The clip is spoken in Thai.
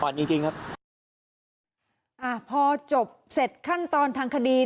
จริงจริงครับอ่าพอจบเสร็จขั้นตอนทางคดี